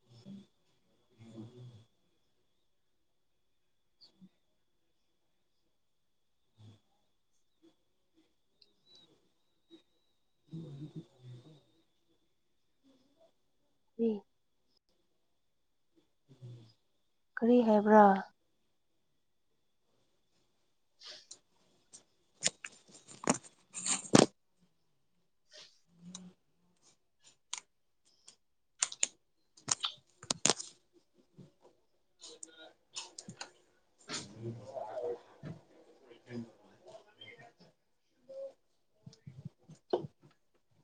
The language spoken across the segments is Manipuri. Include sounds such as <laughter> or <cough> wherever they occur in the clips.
<unintelligible> <inaudible> <inaudible> <unintelligible> ꯀꯔꯤ ꯍꯥꯏꯕ꯭ꯔꯥ꯫ <unintelligible> <inaudible>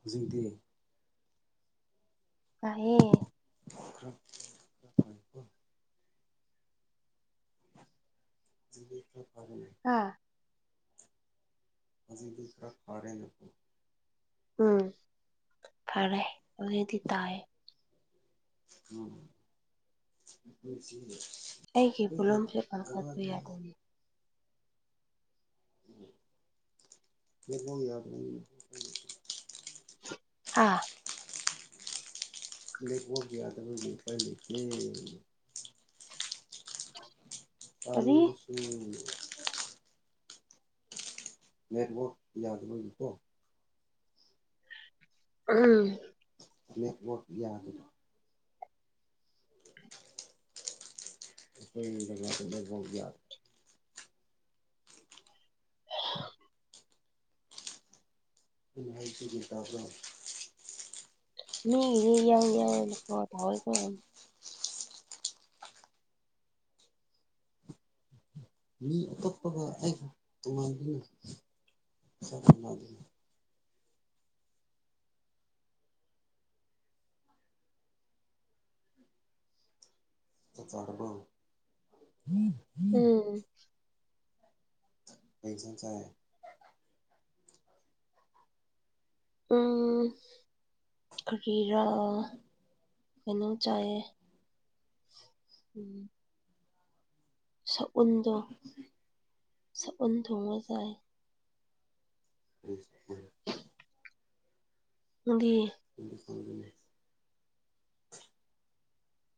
ꯍꯧꯖꯤꯛꯗꯤ꯫ ꯇꯥꯌꯦ꯫ ꯈꯔ ꯈꯔ ꯐꯔꯦꯀꯣ <inaudible> ꯍꯥꯥ꯫ <inaudible> ꯎꯝ ꯐꯔꯦ ꯍꯧꯖꯤꯛꯗꯤ ꯇꯥꯑꯦ꯫ ꯎꯝ <inaudible> ꯑꯩꯒꯤ ꯑꯩꯈꯣꯏꯒꯤ ꯄꯨꯂꯨꯝꯁꯦ ꯄꯟꯈꯠꯄ ꯖꯒꯥꯗ ꯅꯦꯠꯋꯥꯛ ꯌꯥꯗꯣꯏꯅꯤ꯫ <inaudible> <unintelligible> ꯍꯥ꯫ ꯅꯦꯠꯋꯛ ꯌꯥꯗꯕꯒꯤ ꯎꯄꯥꯏ ꯂꯩꯠ꯭ꯔꯦ꯫ ꯀꯔꯤ <inaudible> ꯅꯦꯠꯋꯔꯛ ꯌꯥꯎꯗꯕꯒꯤꯀꯣ꯫ <unintelligible> ꯅꯦꯠꯋꯛ ꯌꯥꯗꯕ <inaudible> <inaudible> ꯃꯤꯒꯤꯗꯤ <inaudible> ꯃꯤ ꯑꯇꯣꯞꯄꯒ ꯑꯩꯒ ꯇꯣꯉꯥꯟꯕꯅꯤ <inaudible> ꯆꯥꯛ ꯆꯔꯕꯣ ꯎꯝ ꯀꯩꯁꯟ ꯆꯥꯏ ꯎꯝ ꯀꯔꯤꯔ ꯀꯩꯅꯣ ꯆꯥꯌꯦ ꯎꯝ ꯁꯎꯟꯗꯣ ꯁꯎꯟ ꯊꯣꯡꯕ ꯆꯥꯏ ꯎꯝ ꯅꯪꯗꯤ ꯑꯗꯨ ꯐꯪꯖꯅꯦ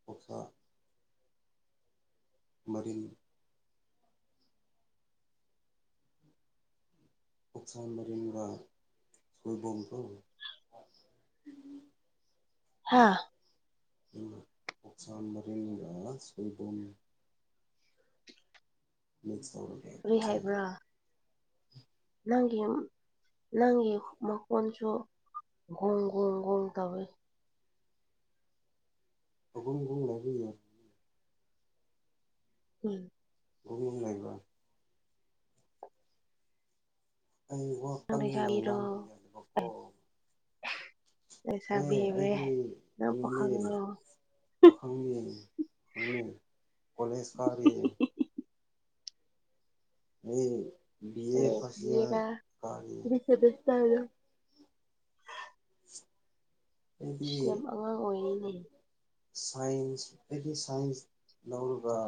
ꯑꯣꯛꯁꯥ ꯃꯔꯤꯜ ꯑꯣꯛꯁꯥ ꯃꯔꯤꯜꯒ <inaudible> ꯍꯥꯥ ꯑꯣꯛꯁꯥ ꯃꯔꯤꯜꯒ ꯁꯣꯏꯕꯨꯝ ꯃꯤꯛꯁ ꯇꯧꯔ ꯀ꯭ꯔꯤ ꯍꯥꯏꯕ꯭ꯔꯥ ꯅꯪꯒꯤ ꯅꯪꯒꯤ ꯃꯈꯣꯟꯁꯨ ꯒꯣꯡ ꯒꯣꯡ ꯒꯣꯡ ꯇꯧꯋꯤ ꯑꯒꯨꯡ ꯒꯨꯡꯂꯕꯤ ꯎꯝ <inaudible> ꯂꯩꯕ ꯑꯩ ꯍꯣ ꯄꯩꯁꯥ ꯄꯤꯔꯣ ꯑꯦ ꯑꯩꯗꯤ ꯂꯩꯁꯥꯕꯤꯔꯦ ꯅꯪ ꯀꯩꯅꯣꯅꯦ ꯄꯥꯈꯪꯂꯣ ꯄꯈꯪꯒꯤ ꯈꯪꯅꯤ ꯀꯣꯂꯦꯖ ꯀꯥꯔꯤ ꯍꯦ ꯍꯜꯂꯣ <inaudible> ꯑꯗꯨꯗꯤ ꯏꯁ ꯌꯥꯝ ꯑꯉꯥꯡ ꯑꯣꯏꯔꯤꯅꯦ ꯁꯥꯏꯟꯁ ꯑꯩꯒꯤ ꯁꯥꯏꯟꯁ ꯂꯧꯔꯒ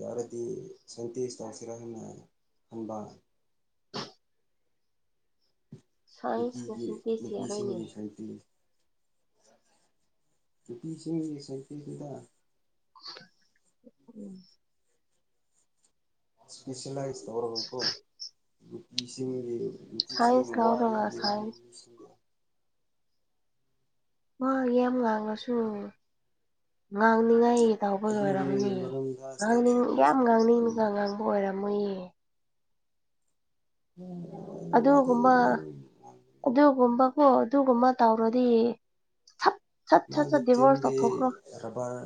ꯌꯥꯔꯗꯤ ꯁꯥꯏꯟꯇꯤꯁ ꯇꯥꯁꯤꯔ ꯍꯥꯏꯅ ꯈꯟꯕ ꯁꯥꯏꯟꯁꯅ ꯅꯨꯄꯤꯒꯤ ꯁꯦꯟꯇꯦꯛꯁ ꯌꯥꯔꯣꯏꯅꯦ ꯅꯨꯄꯤꯁꯤꯡꯒꯤ ꯁꯥꯏꯠꯇꯒꯤ ꯅꯨꯄꯤꯁꯤꯡꯒꯤ ꯁꯥꯏꯠꯇꯁꯤꯗ ꯎꯝ ꯏꯁꯄꯦꯁꯦꯂꯥꯏꯁ ꯇꯧꯔꯕꯀꯣ ꯅꯨꯄꯤꯁꯤꯡꯒꯤ ꯅꯨꯄꯤꯁꯤꯡ ꯁꯥꯏꯟꯁ ꯋꯥ ꯌꯥꯝ ꯂꯧꯔꯒ ꯉꯥꯡꯕ ꯁꯥꯏꯟꯁ ꯃꯤꯁꯤꯡꯗꯣ ꯃꯥ ꯌꯥꯝ ꯉꯥꯡꯉꯁꯨ <inaudible> ꯉꯥꯡꯅꯤꯡꯉꯥꯏ ꯇꯥꯎꯕꯒꯤ ꯑꯗꯨꯒꯤ ꯑꯣꯏꯔꯝꯃꯅꯤ ꯃꯔꯝꯗ ꯏꯁꯇꯗꯤ ꯉꯥꯡꯅꯤꯡ ꯌꯥꯝ ꯇꯧꯁꯤꯔꯅ ꯉꯥꯡꯅꯤꯡꯉꯒ ꯈꯟꯕ ꯉꯥꯡ ꯕ ꯑꯣꯏꯔꯝꯃꯣꯏꯌꯦ ꯎ ꯃꯥꯗꯤ ꯑꯗꯨꯒꯨꯝꯕ ꯌꯥꯝ ꯉꯥꯡꯕꯅꯦꯕ ꯑꯗꯨꯒꯨꯝꯕꯀꯣ ꯑꯗꯨꯒꯨꯝꯕ ꯇꯧꯔꯗꯤ ꯁꯠ ꯁꯠ ꯁꯠ ꯁꯠ ꯗꯦꯕꯣꯔꯁ ꯇꯧꯊꯣꯛꯈ꯭ꯔꯣ ꯔꯕꯥꯔ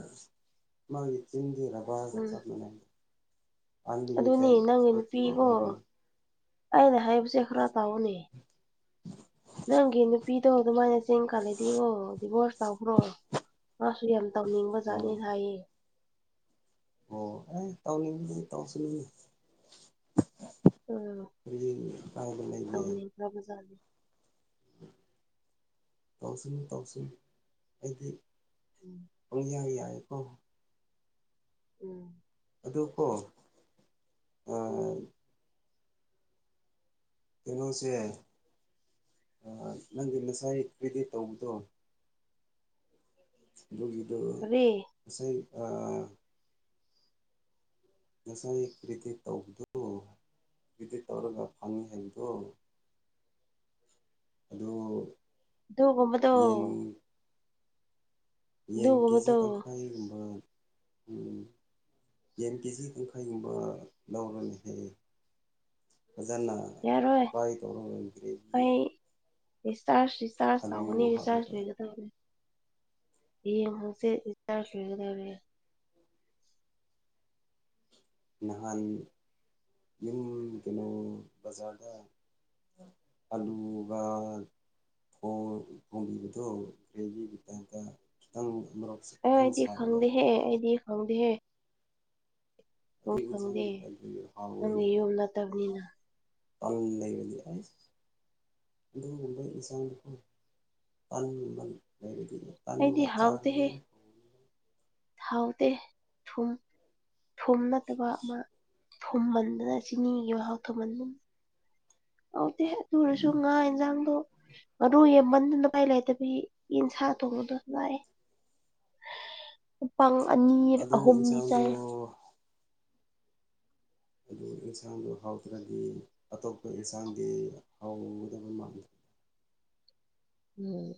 ꯃꯥꯒꯤ ꯆꯤꯟꯗꯤ ꯔꯕꯥꯔꯒ ꯎꯝ ꯆꯞ ꯃꯥꯟꯅꯩ ꯑꯗꯨꯅꯦ ꯑꯟꯂꯤꯃꯤꯇꯦꯠ ꯅꯪꯒꯤ ꯏꯁꯇ꯭ꯔꯦꯆꯦꯕꯜ ꯅꯨꯄꯤꯀꯣ ꯑꯣꯏꯕꯅꯤ ꯑꯩꯅ ꯍꯥꯏꯕꯁꯦ ꯈꯔ ꯇꯥꯎꯅꯦ <inaudible> ꯅꯪꯒꯤ ꯅꯨꯄꯤꯗꯣ ꯑꯗꯨꯃꯥꯏꯅ ꯆꯤꯟ ꯀꯜꯂꯗꯤ ꯀꯣ ꯗꯤꯚꯣꯔꯁ ꯇꯧꯈ꯭ꯔꯣ ꯃꯥꯁꯨ ꯌꯥꯝ ꯇꯧꯅꯤꯡꯕꯖꯥꯠꯅꯤ ꯑꯣ ꯍꯥꯏꯌꯦ ꯑꯣ ꯑꯦ ꯇꯧꯅꯤꯡꯕꯗꯤ ꯇꯧꯁꯅꯨ ꯎ ꯀꯔꯤ ꯀꯥꯏꯕ ꯂꯩꯒꯦ ꯇꯧꯅꯤꯡꯈ꯭ꯔꯕꯖꯥꯠꯅꯤ ꯇꯧꯁꯅꯨ ꯇꯧꯁꯅꯨ ꯑꯩꯗꯤ ꯎꯝ ꯄꯪꯌꯥ ꯌꯥꯏ ꯀꯣ ꯎꯝ ꯑꯗꯨꯀꯣ ꯎꯝ ꯀꯩꯅꯣꯁꯦ ꯅꯪꯒꯤ ꯉꯁꯥꯏ ꯀ꯭ꯔꯤꯗꯤꯠ ꯇꯧꯕꯗꯣ ꯑꯗꯨꯒꯤꯗꯣ ꯀꯔꯤ ꯉꯁꯥꯏ ꯑꯥ ꯉꯁꯥꯏ ꯏꯗꯤꯠ ꯇꯧꯕꯗꯣ ꯏꯗꯤꯠ ꯇꯧꯔꯒ ꯐꯅꯤ ꯍꯥꯏꯕꯗꯨ ꯑꯗꯨ ꯑꯗꯨꯒꯨꯝꯕꯗꯣ ꯌꯦꯟ ꯌꯦꯟ ꯀꯦꯖꯤ ꯑꯗꯨꯒꯨꯝꯕꯗꯣ ꯇꯪꯈꯥꯏꯒꯨꯝꯕ ꯎꯝ ꯌꯦꯟ ꯀꯦꯖꯤ ꯇꯪꯈꯥꯏꯒꯨꯝꯕ ꯂꯧꯔꯅꯤ ꯍꯥꯏꯌꯦ ꯐꯖꯟꯅ <unintelligible> ꯌꯥꯔꯣꯏ <unintelligible> ꯑꯩ ꯔꯤꯆꯥꯔꯖ ꯔꯤꯆꯥꯔꯖ ꯇꯧꯒꯅꯤ ꯍꯥꯞꯂꯒ ꯔꯤꯆꯥꯔꯖ ꯂꯣꯏꯒꯗꯧꯔꯦ ꯌꯦ ꯍꯪꯁꯤꯠ ꯔꯤꯆꯥꯔꯖ ꯂꯣꯏꯒꯗꯧꯔꯦ ꯅꯍꯥꯟ ꯌꯨꯝ ꯀꯩꯅꯣ ꯕꯖꯥꯔꯗ ꯑꯂꯨꯒ ꯀꯣꯕꯤꯒꯗꯣ <unintelligible> ꯇꯥꯏꯞꯇ ꯈꯤꯇꯪ ꯑꯃꯔꯛ ꯑꯦ ꯑꯩꯗꯤ ꯈꯪꯗꯦꯍꯦ ꯑꯩꯗꯤ ꯈꯪꯗꯦꯍꯦ ꯑꯗꯨ ꯈꯪꯗꯦ ꯏꯟꯁꯥꯡꯒꯤ ꯇꯥꯏꯞꯇ ꯅꯪꯒꯤ ꯍꯥꯎꯋꯦꯅꯦꯍꯦ ꯌꯨꯝ ꯅꯠꯇꯕꯅꯤꯅ <unintelligible> <unintelligible> ꯑꯗꯨꯒꯨꯝꯕ ꯏꯟꯁꯥꯡꯗꯨꯀꯣ <unintelligible> <unintelligible> ꯑꯩꯗꯤ ꯍꯥꯎꯇꯦ ꯆꯥꯔꯗꯤ ꯍꯦ ꯌꯥꯝ ꯍꯥꯎꯇꯦ ꯊꯨꯝ ꯊꯨꯝ ꯅꯠꯇꯕ ꯑꯃ ꯊꯨꯝꯃꯟꯗꯅ ꯆꯤꯅꯤꯒꯤ ꯃꯍꯥꯎ ꯊꯨꯝꯃꯟꯗ ꯍꯥꯎꯇꯦꯍꯦ ꯑꯗꯨ ꯑꯣꯏꯔꯁꯨ ꯉꯥ ꯏꯟꯖꯥꯡꯗꯣ ꯑꯗꯨ ꯌꯦꯟꯃꯟꯗꯅ ꯎꯄꯥꯏ ꯂꯩꯇꯕꯒꯤ ꯌꯦꯟꯁꯥ ꯊꯣꯡꯕꯗꯣ ꯂꯥꯏꯌꯦ ꯃꯄꯪ ꯑꯅꯤ ꯑꯗꯨ ꯑꯍꯨꯝꯅꯤ ꯏꯟꯁꯥꯡꯗꯣ ꯆꯥꯏ ꯑꯗꯨ ꯑꯦꯟꯁꯥꯡꯗꯣ ꯍꯥꯎꯇ꯭ꯔꯗꯤ ꯑꯇꯣꯞꯄ ꯌꯦꯟꯁꯥꯡꯗꯤ ꯍꯥꯎꯒꯗꯕ ꯃꯥꯟꯗꯦ ꯎꯝ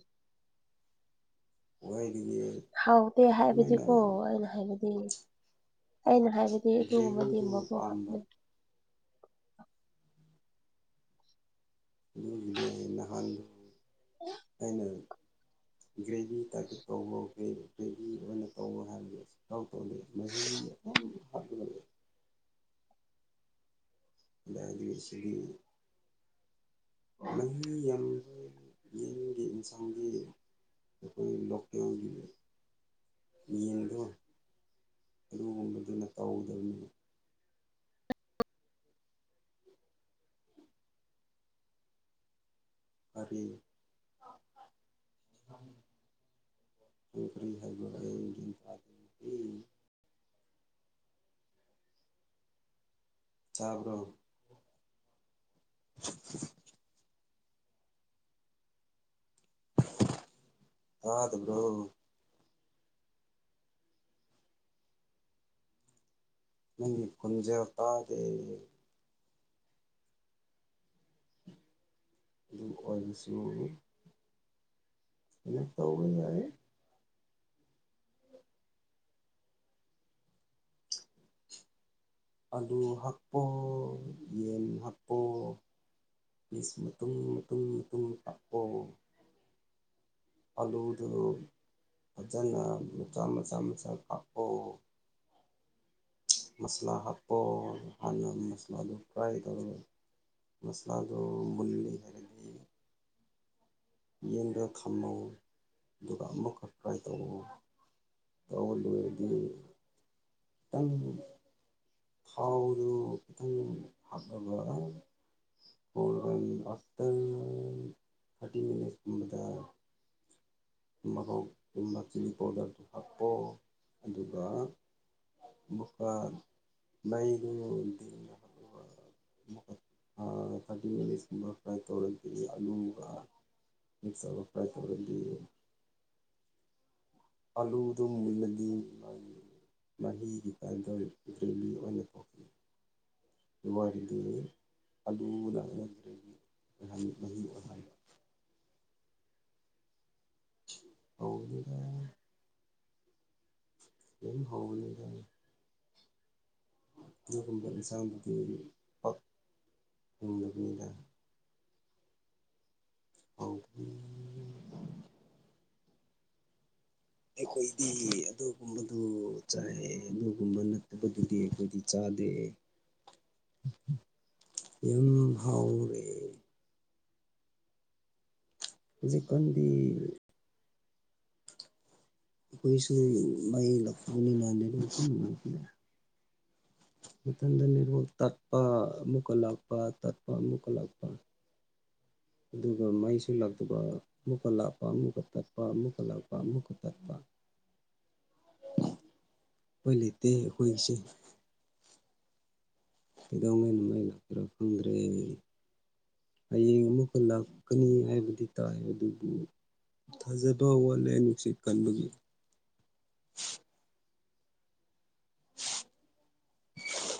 ꯈ꯭ꯋꯥꯏꯗꯒꯤ ꯍꯥꯎꯇꯦ ꯍꯥꯏꯕꯗꯤꯀꯣ ꯑꯩꯅ ꯍꯥꯏꯕꯗꯤ ꯑꯩꯅ ꯍꯥꯏꯕꯗꯤ ꯑꯗꯨꯒꯨꯝꯕꯗꯤ ꯒ꯭ꯔꯦꯚꯤꯗꯨ ꯃꯕꯨꯨ ꯄꯥꯝꯕ ꯍꯥꯞꯄꯦ ꯑꯗꯨꯒꯤꯅꯦ ꯅꯍꯥꯟꯗꯨ ꯑꯩꯅ ꯒ꯭ꯔꯦꯚꯤ ꯇꯥꯀꯦꯠ ꯇꯧꯋꯣ ꯒ꯭ꯔꯦꯚꯤ ꯑꯣꯏꯅ ꯇꯧꯕ ꯍꯥꯏꯕꯅꯦ ꯇꯧ ꯇꯧꯔ ꯃꯍꯤ ꯑꯗꯨꯝ ꯍꯥꯞꯂꯩꯌꯦ <unintelligible> <unintelligible> ꯃꯍꯤ ꯌꯥꯝꯕ ꯌꯦꯟꯒꯤ ꯌꯦꯟꯁꯥꯡꯒꯤ <unintelligible> ꯂꯣꯀꯦꯜꯒꯤ ꯂꯩ ꯌꯦꯡꯗꯣ ꯑꯗꯨꯒꯨꯝꯕꯗꯨꯅ ꯇꯧꯗꯕꯅꯤ ꯐꯔꯦ ꯅꯔꯤ ꯍꯥꯏꯕ ꯑꯩꯒꯤ ꯇꯕ꯭ꯔꯣ꯫ <unintelligible> ꯇꯗꯕ꯭ꯔꯣ꯫ ꯅꯒꯤ ꯈꯣꯟꯖꯦꯜ ꯇꯗꯦ꯫ ꯑꯗꯨ ꯑꯣꯏꯕꯁꯨ ꯑꯗꯨꯅ ꯇꯧꯕ ꯌꯥꯏ ꯑꯂꯨ ꯍꯞꯄꯣ ꯌꯦꯟ ꯍꯞꯄꯣ꯫ ꯄꯤꯁ ꯃꯇꯨꯡ ꯃꯇꯨꯡ ꯃꯇꯨꯡꯨ ꯀꯥꯛꯑꯣ ꯑꯥꯂꯨꯗꯨ ꯐꯖꯅ ꯃꯆꯥ ꯃꯆꯥ ꯃꯆꯥ ꯀꯥꯛꯑꯣ꯫ ꯃꯁꯂꯥ ꯍꯥꯞꯄꯣ ꯍꯥꯟꯅ ꯃꯁꯂꯥꯗꯨ ꯐ꯭ꯔꯥꯏ ꯇꯧꯔꯒ꯫ ꯃꯁꯂꯥꯗꯣ ꯃꯨꯜꯂꯤ ꯍꯥꯏꯔꯗꯤ꯫ ꯌꯦꯟꯗꯣ ꯊꯝꯃꯣ ꯑꯗꯨꯒ ꯑꯃꯨꯛꯈꯛ ꯐꯔꯥꯏ ꯇꯧꯎ ꯇꯧ ꯂꯣꯏꯔꯗꯤ ꯇꯪ ꯊꯥꯎꯗꯨ ꯈꯤꯇꯪ ꯍꯥꯞꯂꯒ <unintelligible> ꯉꯥꯛꯇꯪ <unintelligible> ꯅꯦꯁꯀꯨꯝꯕꯗ ꯃꯍꯣꯛꯀꯨꯝꯕ ꯆꯤꯂꯤ ꯄꯥꯎꯗꯔꯗꯨ ꯍꯥꯞꯄꯣ ꯑꯗꯨꯒ ꯑꯃꯨꯛꯀ ꯃꯩꯗꯣ <unintelligible> ꯀꯒ ꯁꯨꯔ ꯐ꯭ꯔꯥꯏ ꯇꯧꯔꯇꯅꯤ ꯑꯜꯂꯨꯒ ꯃꯤꯛꯁꯔꯕ ꯄ꯭ꯔꯥꯏ ꯇꯧꯔꯗꯤ ꯑꯥꯂꯨꯗꯨ ꯃꯨꯜꯂꯗꯤ ꯃꯍꯤꯒꯤ ꯇꯥꯟꯗ ꯒ꯭ꯔꯤꯃꯤ ꯑꯣꯏꯅ ꯊꯣꯛꯈꯤ ꯋꯥꯔꯤꯗꯤ ꯑꯂꯨ <unintelligible> ꯇꯧꯗꯦꯗ ꯑꯗꯨꯝ ꯍꯧꯕꯅꯤꯗ꯫ ꯑꯗꯨꯒꯨꯝꯕ ꯏꯁꯥꯡꯗꯨꯗꯤ ꯄꯥꯛ ꯌꯨꯝꯂꯕꯅꯤꯅ ꯍꯧꯗꯤ ꯑꯩꯈꯣꯏꯗꯤ ꯑꯗꯨꯒꯨꯝꯕꯗꯨ ꯆꯥꯏ ꯑꯗꯨꯒꯨꯝꯕ ꯅꯠꯇꯕꯗꯨꯗꯤ ꯑꯩꯈꯣꯏꯗꯤ ꯆꯥꯗꯦ꯫ ꯌꯨꯝ ꯍꯥꯎꯔꯦ꯫ ꯍꯧꯖꯤꯛ ꯀꯟꯗꯤ꯫ ꯑꯈꯣꯏꯁꯨ ꯃꯩ <unintelligible> ꯃꯊꯟꯗ ꯅꯦꯠꯋꯥꯛ ꯇꯠꯄ ꯑꯃꯨꯛꯀ ꯂꯥꯛꯄ ꯇꯠꯄ ꯑꯃꯨꯛꯀ ꯂꯥꯛꯄ ꯑꯗꯨꯒ ꯃꯩꯁꯨ ꯂꯥꯛꯇꯕ ꯑꯃꯨꯛꯀ ꯂꯥꯛꯄ ꯑꯃꯨꯛꯀ ꯇꯠꯄ ꯑꯃꯨꯛꯀ ꯂꯥꯛꯄ ꯑꯃꯨꯛꯀ ꯇꯠꯄ ꯑꯨꯄꯥꯏ ꯂꯩꯇꯦ ꯑꯩꯈꯣꯏꯒꯤꯁꯦ ꯀꯩꯗꯧꯉꯩ ꯃꯩ ꯂꯥꯛꯇꯔ ꯈꯪꯗ꯭ꯔꯦ ꯍꯌꯦꯡ ꯑꯃꯨꯛꯀ ꯂꯥꯛꯀꯅꯤ ꯍꯥꯏꯕꯗꯤ ꯇꯥꯏ ꯑꯗꯨꯕꯨ ꯊꯥꯖꯕ ꯋꯥꯠꯂꯦ ꯅꯨꯡꯁꯤꯠ ꯀꯟꯕꯒꯤ꯫ <unintelligible>